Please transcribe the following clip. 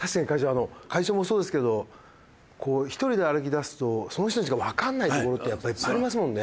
あの会長もそうですけど１人で歩きだすとその人にしかわからないところってやっぱりありますもんね。